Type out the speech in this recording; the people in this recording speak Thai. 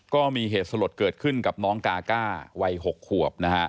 ก็มีเหตุสลดเกิดขึ้นกับน้องกาก้าวัย๖ขวบนะฮะ